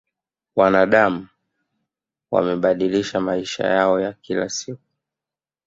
wanadam wamebadilisha maisha yao ya kila siku